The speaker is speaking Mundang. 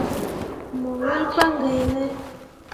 Mo wel pa gai ne.